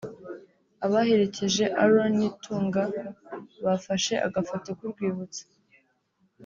Abaherekeje Aaron Nitunga bafashe agafoto k'urwibutso